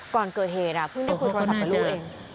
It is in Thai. ก่อนเกิดเฮนเพิ่งได้คุยโทรศัพท์กับลูกเอง